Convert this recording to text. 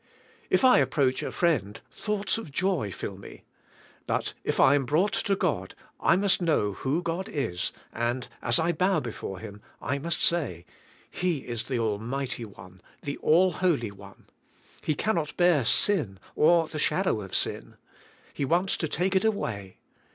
If I approach a friend thoughts of joy fill me. Before I am brought to God I must know who God is, and as I bow before Him, I must say, *'He is the Almighty One, the All Holy One. He cannot bear sin or the shadow of sin. He wants to take it away.